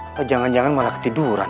atau jangan jangan malah ketiduran